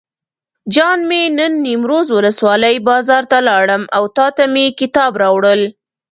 جان مې نن نیمروز ولسوالۍ بازار ته لاړم او تاته مې کتاب راوړل.